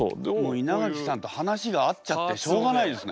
稲垣さんと話が合っちゃってしょうがないですね。